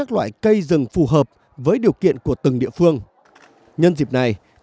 tôi đã đối phó với bốn quốc gia trong tây bắc